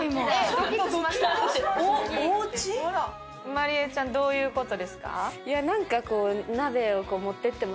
まりえちゃんどういう事ですか？